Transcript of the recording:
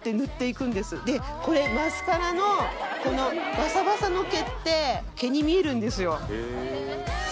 マスカラのバサバサの毛って毛に見えるんですよ。